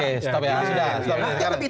oke stop ya sudah